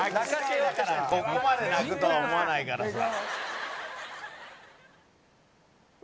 「ここまで泣くとは思わないからさ」